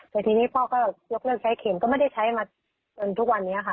แต่ทีนี้พ่อก็ยกเลิกใช้เข็มก็ไม่ได้ใช้มาจนทุกวันนี้ค่ะ